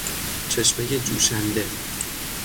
چشمهی جوشنده